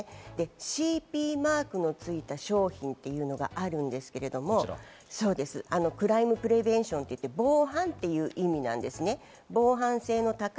ＣＰマークのついた商品というのがあるんですけれど、クライムプリベーションといって、防犯という意味です。